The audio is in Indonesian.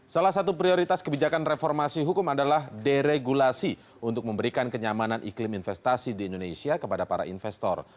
salah satu prioritas kebijakan reformasi hukum adalah deregulasi untuk memberikan kenyamanan iklim investasi di indonesia kepada para investor